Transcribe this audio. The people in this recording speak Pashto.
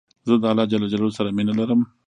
زه د الله ج سره مينه لرم